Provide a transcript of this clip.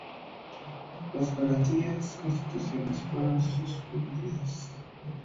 Las garantías constitucionales fueron suspendidas.